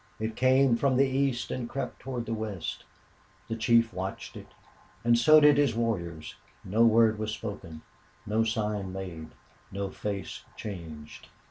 It came from the east and crept toward the west. The chief watched it, and so did his warriors. No word was spoken, no sign made, no face changed.